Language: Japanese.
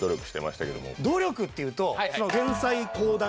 努力っていうと。